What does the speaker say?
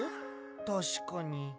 たしかに。